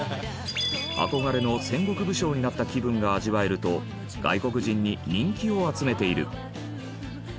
憧れの戦国武将になった気分が味わえると外国人に人気を集めている。